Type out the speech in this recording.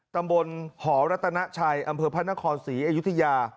ตำบลหอรัตนาชัยอำเภอพระนครศรีอยุธยา